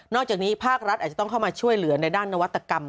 อกจากนี้ภาครัฐอาจจะต้องเข้ามาช่วยเหลือในด้านนวัตกรรม